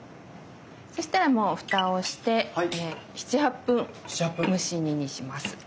そしたらもうフタをして７８分蒸し煮にします。